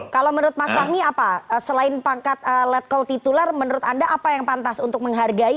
kalau menurut mas fahmi apa selain pangkat let call titular menurut anda apa yang pantas untuk menghargai